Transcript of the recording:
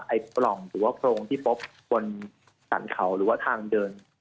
ปล่องหรือว่าโพรงที่พบบนสรรเขาหรือว่าทางเดิน